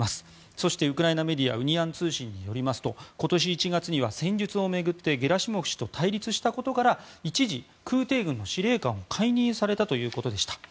そして、ウクライナメディアウニアン通信によりますと今年１月には、戦術を巡ってゲラシモフ氏と対立したことから一時、空挺軍の司令官を解任されたということでした。